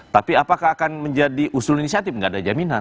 tapi apakah akan menjadi usul inisiatif nggak ada jaminan